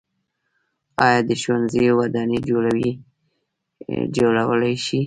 آیا د ښوونځیو ودانۍ جوړې شوي؟